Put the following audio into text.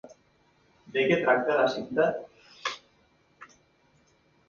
De què tracta la cinta?